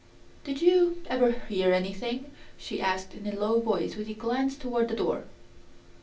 "Did you ever hear anything?" she asked in a low voice with a glance toward the door.